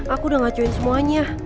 aku udah ngacuin semuanya